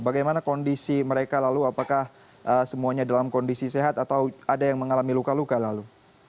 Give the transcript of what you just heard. bagaimana kondisi mereka lalu apakah semuanya dalam kondisi sehat atau ada yang mengalami luka luka lalu